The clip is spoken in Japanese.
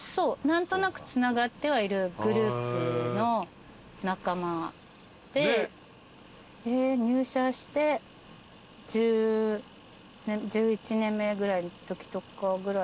何となくつながってはいるグループの仲間で入社して１１年目ぐらいのときとかぐらい。